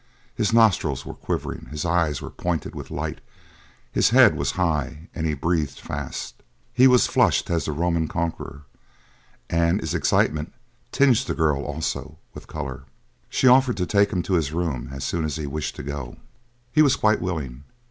His nostrils were quivering, his eyes were pointed with light, his head was high, and he breathed fast. He was flushed as the Roman Conqueror. And his excitement tinged the girl, also, with colour. She offered to take him to his room as soon as he wished to go. He was quite willing.